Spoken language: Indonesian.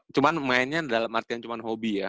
cuman mainnya dalam arti yang cuman hobi ya